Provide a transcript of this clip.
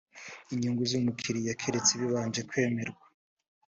nyungu z umukiriya keretse bibanje kwemerwa